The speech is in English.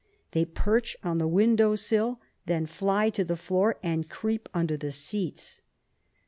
They perch on the window sill, then fly to the floor and creep under the seats.